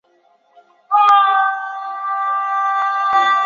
地势由东北向西南逐渐降低。